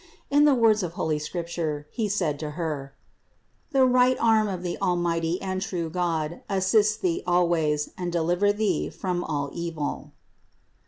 In the words of holy Scripture, he said to Her : "The right arm of the almighty and true God assist Thee always, and deliver Thee from all evil (Ps.